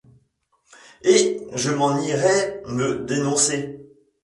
Et je m’en irais me dénoncer!